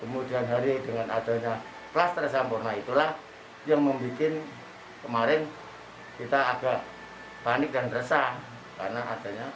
kemudian hari dengan adanya kluster sampurna itulah yang membuat kemarin kita agak panik dan resah karena adanya